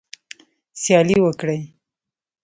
سیالي وکړئ